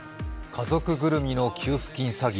家族ぐるみの給付金詐欺。